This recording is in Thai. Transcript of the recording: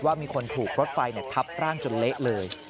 มีคนถูกรถไฟทับร่างจนเละเลย